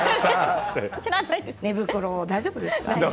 寝袋、大丈夫ですか。